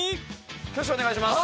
挙手お願いします。